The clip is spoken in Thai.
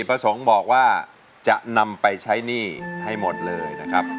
ประสงค์บอกว่าจะนำไปใช้หนี้ให้หมดเลยนะครับ